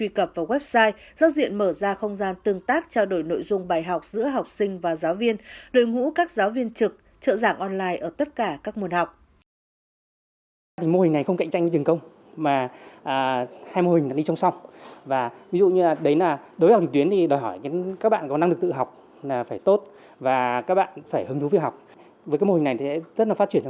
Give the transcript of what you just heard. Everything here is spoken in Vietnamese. năm nay giáo diện mở ra không gian tương tác trao đổi nội dung bài học giữa học sinh và giáo viên đối ngũ các giáo viên trực trợ giảng online ở tất cả các môn học